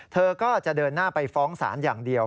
เธอก็จะเดินหน้าไปฟ้องศาลอย่างเดียว